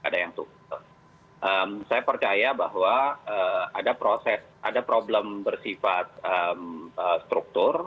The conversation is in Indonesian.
saya percaya bahwa ada problem bersifat struktur